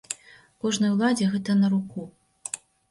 Кожнай уладзе гэта на руку.